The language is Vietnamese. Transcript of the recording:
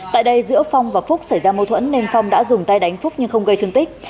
tại đây giữa phong và phúc xảy ra mâu thuẫn nên phong đã dùng tay đánh phúc nhưng không gây thương tích